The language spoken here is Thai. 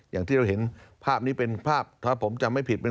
อย่างที่เราเห็นภาพนี้เป็นภาพถ้าผมจำไม่ผิด